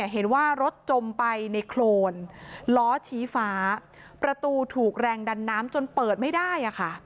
เห็นว่ารถจมไปในโครนล้อชี้ฟ้าประตูถูกแรงดันน้ำจนเปิดไม่ได้